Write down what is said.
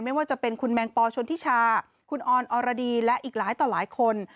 ไม่ว่าจะเป็นคุณแมงปอชนทิชาคุณออนอรดีและอีกหลายต่อหลายคน